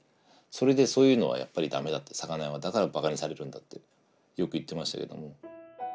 それでそういうのはやっぱりダメだって魚屋はだからバカにされるんだってよく言ってましたけども。